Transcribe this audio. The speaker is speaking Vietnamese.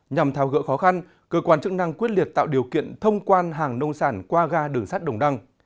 nhằm thao gỡ khó khăn cơ quan chức năng quyết liệt tạo điều kiện thông quan hàng nông sản qua ga đường sát đồng đăng